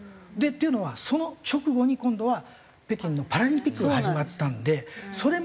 っていうのはその直後に今度は北京のパラリンピックが始まったのでそれまでに。